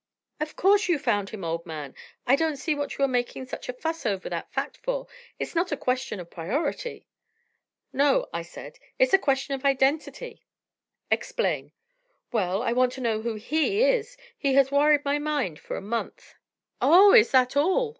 "Of course you found him, old man. I don't see what you are making such a fuss over that fact for; it's not a question of priority." "No," I said, "it's a question of identity." "Explain." "Well, I want to know who he is. He has worried my mind for a month." "Oh, is that all?"